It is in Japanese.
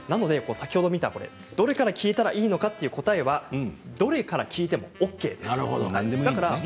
先ほど見たどれから聴いたらいいのかという答えはどれから聴いてもＯＫです。